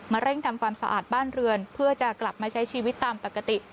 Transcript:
เร่งทำความสะอาดบ้านเรือนเพื่อจะกลับมาใช้ชีวิตตามปกติ